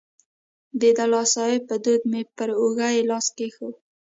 د دلاسایي په دود مې پر اوږه یې لاس کېښود.